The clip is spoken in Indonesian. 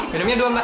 bidungnya dua mbak